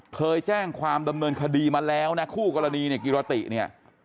เคยแจ้งความดำเนินคดีมาแล้วนะคู่กรณีเนี่ยกิรติเนี่ย